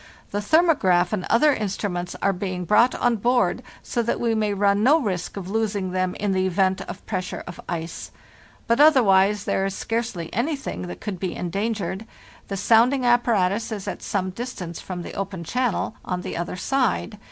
The thermograph and other instruments are being brought on board, so that we may run no risk of losing them in the event of pressure of ice. But otherwise there is scarcely anything that could be endangered. The sounding ap paratus is at some distance from the open channel, on the other side.